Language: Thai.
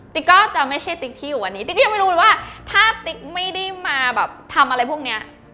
ก็จะไม่ใช่ติ๊กที่อยู่อันนี้ติ๊กก็ยังไม่รู้เลยว่าถ้าติ๊กไม่ได้มาแบบทำอะไรพวกเนี้ย